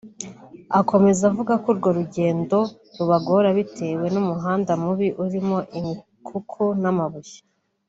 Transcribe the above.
Akomeza avuga ko urwo rugendo rubagora bitewe n’umuhanda mubi urimo imikuku n’amabuye